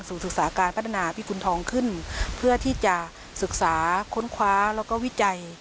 ศึกษาการพัฒนาพิกุณฑองขึ้นเพื่อที่จะศึกษาค้นคว้าแล้วก็วิจัย